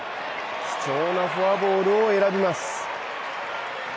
貴重なフォアボールを選びます。